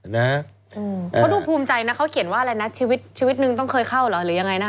เขาดูภูมิใจนะเขาเขียนว่าชีวิตนึงต้องเคยเข้าหรือยังไง